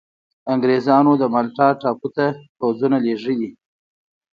انګرېزانو د مالټا ټاپو ته پوځونه لېږلي.